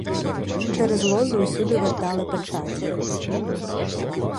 Через лозу усюди вертали печаті.